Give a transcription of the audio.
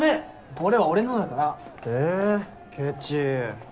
これは俺のだから。えケチ。